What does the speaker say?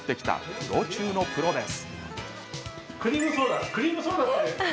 プロ中のプロです。